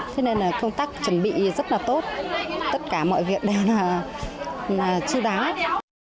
thế nên công tác chuẩn bị rất tốt tất cả mọi việc đều là chư đáng